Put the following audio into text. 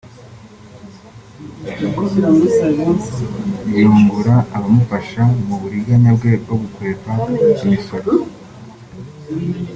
ryungura abamufasha mu buriganya bwe bwo gukwepa imisoro